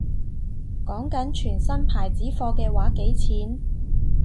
講緊全新牌子貨嘅話幾錢